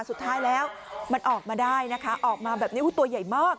สุดท้ายแล้วมันออกมาได้นะคะออกมาแบบนี้ตัวใหญ่มาก